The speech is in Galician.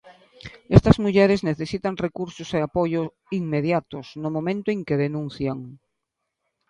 Estas mulleres necesitan recursos e apoio inmediatos no momento en que denuncian.